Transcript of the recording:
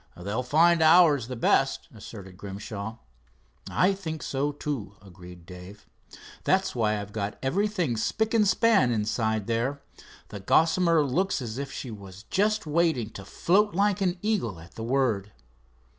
"They'll find ours the best," asserted Grimshaw. "I think that, too," agreed Dave. "That's why I've got everything spick and span inside there. The Gossamer looks as if she was just waiting to float like an eagle at the word."